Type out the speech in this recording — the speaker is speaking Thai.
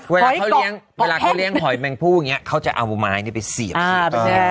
เวลาเขาเลี้ยงหอยแมลงผู้อย่างนี้เขาก็จะเอามายไปเศียบ